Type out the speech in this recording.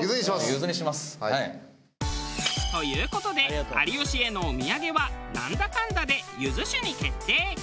ゆずにしますはい。という事で有吉へのお土産はなんだかんだでゆず酒に決定。